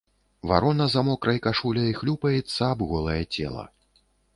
Варона за мокрай кашуляй хлюпаецца аб голае цела.